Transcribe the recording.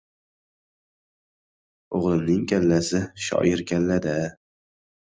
— O‘g‘limning kallasi shoir kalla-da".